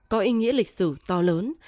có ý nghĩa lịch sử to lớn